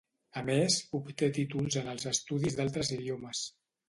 A més, obté títols en els estudis d'altres idiomes.